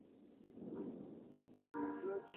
Parece una chica joven e incluso de apariencia adolescente.